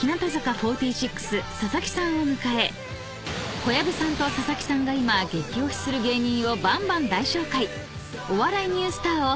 ４６佐々木さんを迎え小籔さんと佐々木さんが今激推しする芸人をばんばん大紹介］